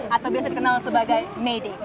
atau biasa dikenal sebagai may day